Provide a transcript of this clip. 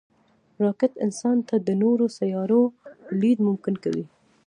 راکټ انسان ته د نورو سیارو لید ممکن کوي